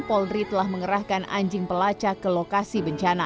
polri telah mengerahkan anjing pelacak ke lokasi bencana